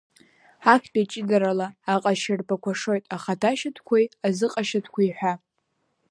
Актәи аҷыдарала аҟазшьарбақәа шоит ахаҭашьатәқәеи, азыҟашьатәқәеи ҳәа.